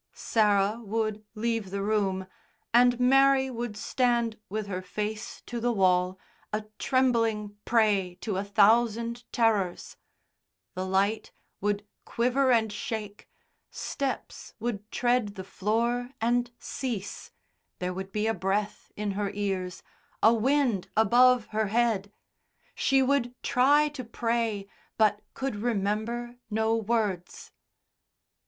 Sarah would leave the room and Mary would stand with her face to the wall, a trembling prey to a thousand terrors. The light would quiver and shake, steps would tread the floor and cease, there would be a breath in her ears, a wind above her head. She would try to pray, but could remember no words.